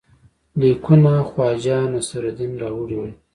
لیکونه خواجه نصیرالدین راوړي وه.